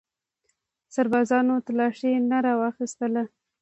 سربازانو تلاشي رانه واخیستله.